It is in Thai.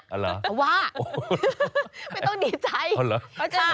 เอาล่ะว่าไม่ต้องดีใจ